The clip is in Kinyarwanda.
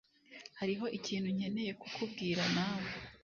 Hariho ikintu nkeneye kukubwira, nawe.